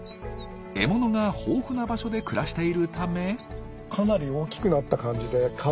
獲物が豊富な場所で暮らしているため。